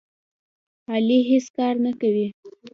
علي هېڅ کار نه کوي.